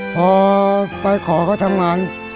พอไปขอเขาทำงาน